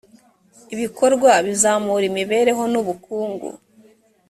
ibikorwa bizamura imibereho n ubukungu